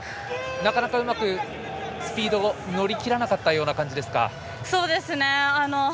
なかなかうまくスピードを乗り切らなかったようなそうですね。